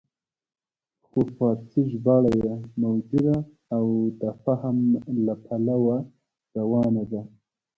خو فارسي ژباړه یې موجوده او د فهم له پلوه روانه ده.